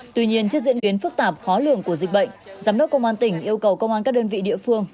tuy nhiên trước diễn biến phức tạp khó lường của dịch bệnh giám đốc công an tỉnh yêu cầu công an các đơn vị địa phương